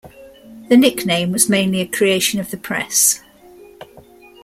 The nickname was mainly a creation of the press.